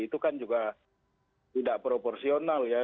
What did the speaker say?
itu kan juga tidak proporsional ya